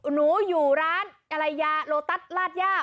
หนูอยู่ร้านอะไรยาโลตัสลาดย่า